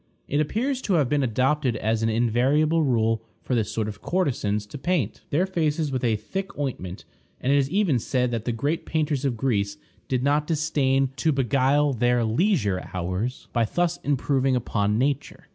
It appears to have been adopted as an invariable rule for this sort of courtesans to paint their faces with a thick ointment, and it is even said that the great painters of Greece did not disdain to beguile their leisure hours by thus improving upon nature.